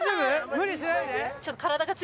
無理しないで。